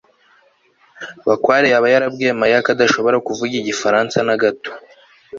bakware yaba yarabwiye mariya ko adashobora kuvuga igifaransa na gato